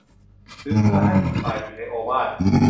หรือเพื่อให้อีกฝ่ายอยู่ในโอวาท